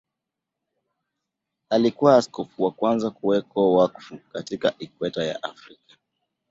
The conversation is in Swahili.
Alikuwa askofu wa kwanza kuwekwa wakfu katika Ikweta ya Afrika.